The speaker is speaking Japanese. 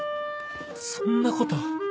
そんなこと